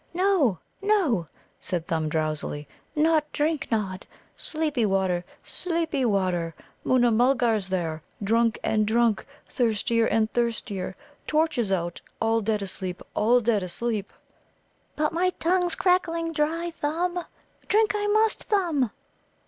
"No, no," said Thumb drowsily; "not drink, Nod. Sleepy water sleepy water. Moona mulgars there, drunk and drunk; thirstier and thirstier, torches out all dead asleep all dead asleep." "But my tongue's crackling dry, Thumb. Drink I must, Thumb."